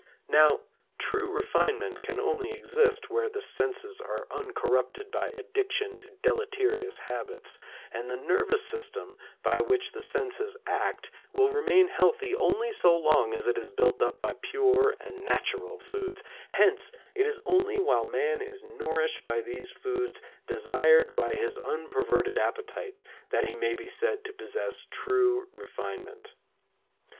Now true refinement can only exist where the senses are uncorrupted by addiction to deleterious habits, and the nervous system by which the senses act will remain healthy only so long as it is built up by pure and natural foods; hence it is only while man is nourished by those foods desired by his unperverted appetite that he may be said to possess true refinement.